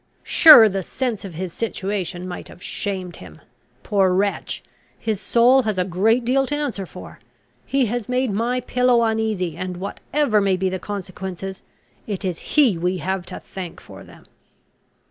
] Sure the sense of his situation might have shamed him. Poor wretch! his soul has a great deal to answer for. He has made my pillow uneasy; and, whatever may be the consequences, it is he we have to thank for them."